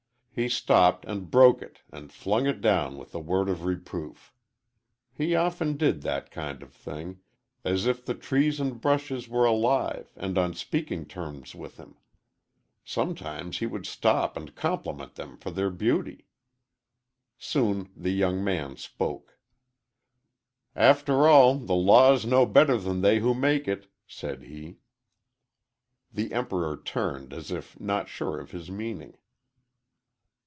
He stopped and broke it and flung it down with a word of reproof. He often did that kind of thing as if the trees and brushes were alive and on speaking terms with him. Sometimes he would stop and compliment them for their beauty. Soon the young man spoke. "After all, the law is no better than they who make it," said he. The Emperor turned as if not sure of his meaning.